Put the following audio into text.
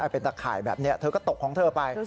เป็นตะข่ายแบบนี้เธอก็ตกของเธอไป